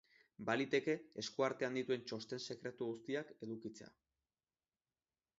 Baliteke esku artean dituen txosten sekretu guztiak edukitzea.